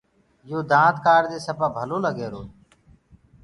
يو دآند ڪآڙدي سپآ ڀلو لگ رهيرو هي۔